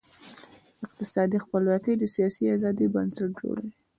اقتصادي خپلواکي د سیاسي آزادۍ بنسټ جوړوي.